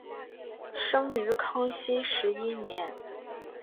生于康熙十一年。